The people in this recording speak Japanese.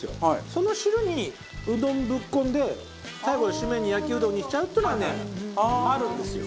その汁にうどんぶっ込んで最後のシメに焼きうどんにしちゃうっていうのがねあるんですよ。